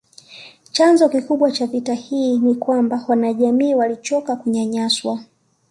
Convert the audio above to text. Chanzo kikubwa cha vita hii ni kwamba wanajamii walichoka kunyanyaswa